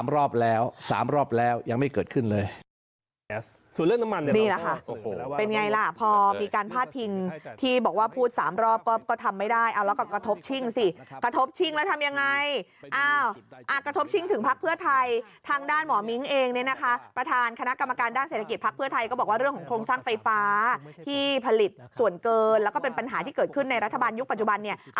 รอบแล้ว๓รอบแล้วยังไม่เกิดขึ้นเลย